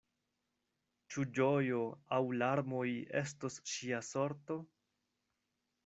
Ĉu ĝojo aŭ larmoj estos ŝia sorto?